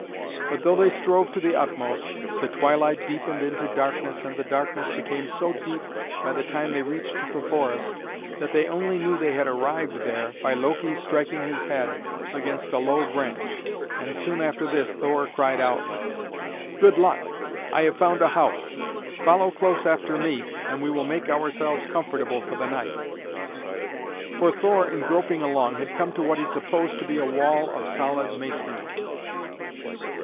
But though they strove to the utmost, the twilight deepened into darkness and the darkness became so deep by the time they reached the forest, that they only knew they had arrived there by Loki's striking his head against a low branch, and soon after this Thor cried out: "Good luck! I have found a house. Follow close after me and we will make ourselves comfortable for the night." For Thor in groping along had come to what he supposed to be a wall of solid masonry.